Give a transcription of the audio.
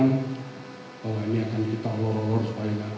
bahwa ini akan kita olor olor supaya gak